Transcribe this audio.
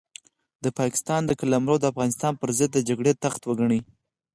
د پاکستان قلمرو د افغانستان پرضد د جګړې تخته وګڼي.